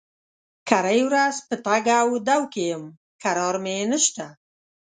کرۍ ورځ په تګ و دو کې يم؛ کرار مې نشته.